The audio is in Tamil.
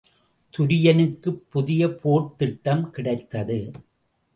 துரியனுக்குப் புதிய போர்த் திட்டம் கிடைத்தது.